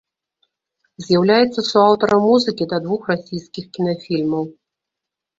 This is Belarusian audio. З'яўляецца суаўтарам музыкі да двух расійскіх кінафільмаў.